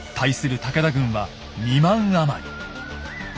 武田軍は２万余り。